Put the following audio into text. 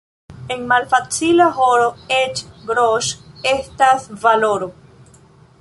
En malfacila horo eĉ groŝ' estas valoro.